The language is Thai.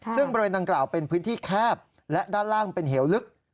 ซึ่งบริเวณดังกล่าวเป็นพื้นที่แคบและด้านล่างเป็นเหวลึก